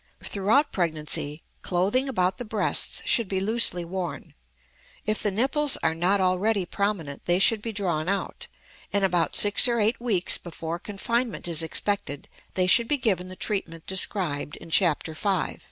Throughout pregnancy clothing about the breasts should be loosely worn. If the nipples are not already prominent they should be drawn out; and about six or eight weeks before confinement is expected they should be given the treatment described in Chapter V.